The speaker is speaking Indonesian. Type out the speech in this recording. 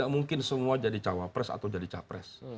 mungkin semua jadi cawapres atau jadi capres